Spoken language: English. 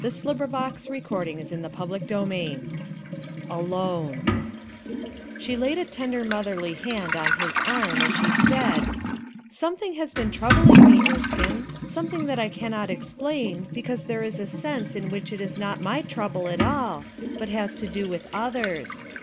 She had no recourse but to speak truth CHAPTER XIX ALONE SHE laid a tender motherly hand on his arm as she said: — "Something has been troubling ine, Erskinc, something that I cannot explain, because there is a sense in which it is not my trouble at all, but has to do with others.